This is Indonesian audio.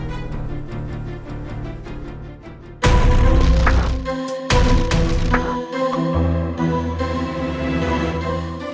kamu mau cari dia